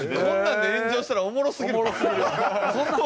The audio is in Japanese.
こんなんで炎上したらおもろすぎる。